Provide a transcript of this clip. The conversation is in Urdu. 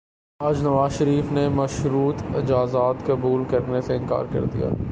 آج نواز شریف نے مشروط اجازت قبول کرنے سے انکار کیا ہے۔